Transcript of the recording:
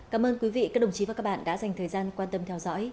cảm ơn quý vị các đồng chí và các bạn đã dành thời gian quan tâm theo dõi